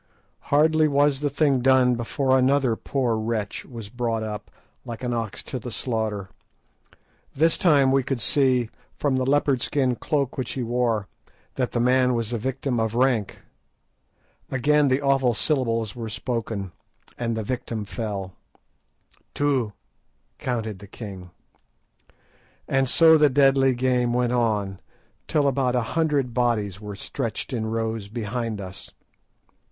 Hardly was the thing done before another poor wretch was brought up, like an ox to the slaughter. This time we could see, from the leopard skin cloak which he wore, that the man was a person of rank. Again the awful syllables were spoken, and the victim fell dead. "Two," counted the king. And so the deadly game went on, till about a hundred bodies were stretched in rows behind us.